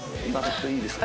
いいですか？